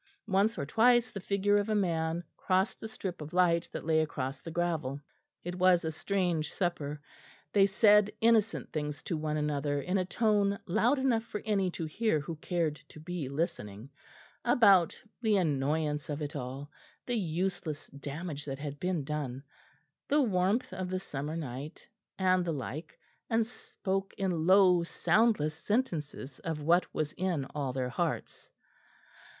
Once or twice the figure of a man crossed the strip of light that lay across the gravel. It was a strange supper. They said innocent things to one another in a tone loud enough for any to hear who cared to be listening, about the annoyance of it all, the useless damage that had been done, the warmth of the summer night, and the like, and spoke in low soundless sentences of what was in all their hearts.